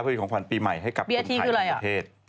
เพื่อเป็นของขวัญปีใหม่ให้กับคนไทยหลายประเทศ